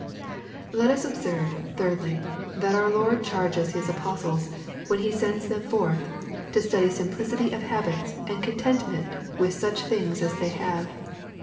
Let us observe, thirdly, that our Lord charges His apostles, when He sends them forth, to study simplicity of hahitSy and contentment with such t hings as they have.